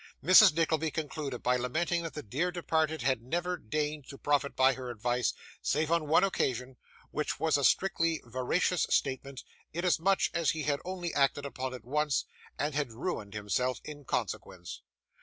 Mrs Nickleby concluded by lamenting that the dear departed had never deigned to profit by her advice, save on one occasion; which was a strictly veracious statement, inasmuch as he had only acted upon it once, and had ruined himself in consequence.